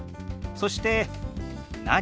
そして「何？」。